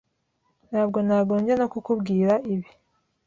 Ntabwo nagombye no kukubwira ibi.